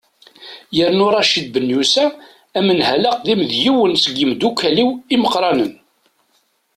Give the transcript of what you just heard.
yernu racid benɣusa anemhal aqdim d yiwen seg yimeddukkal-iw imeqqranen